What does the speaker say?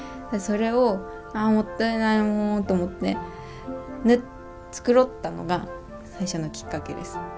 それをああもったいないもうと思って繕ったのが最初のきっかけです。